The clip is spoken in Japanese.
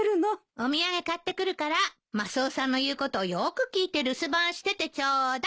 お土産買ってくるからマスオさんの言うことをよく聞いて留守番しててちょうだい。